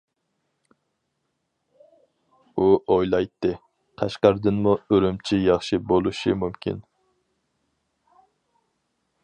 ئۇ ئويلايتتى، قەشقەردىنمۇ ئۈرۈمچى ياخشى بولۇشى مۇمكىن.